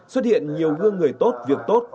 xuất hiện nhiều gương người tốt việc tốt